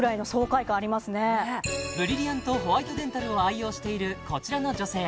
ブリリアントホワイトデンタルを愛用しているこちらの女性